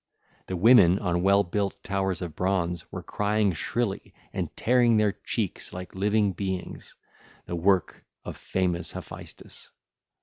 The women on well built towers of bronze were crying shrilly and tearing their cheeks like living beings—the work of famous Hephaestus.